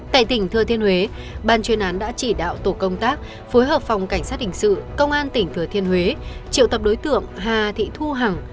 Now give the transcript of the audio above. tại tỉnh thừa thiên huế ban chuyên án đã chỉ đạo tổ công tác phối hợp phòng cảnh sát hình sự công an tỉnh thừa thiên huế triệu tập đối tượng hà thị thu hằng